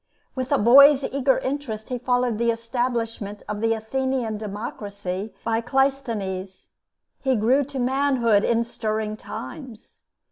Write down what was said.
With a boy's eager interest he followed the establishment of the Athenian democracy by Cleisthenes. He grew to manhood in stirring times.